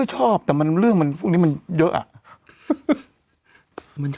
ชอบแต่เรื่องมันพวกนี้มันเยอะอะ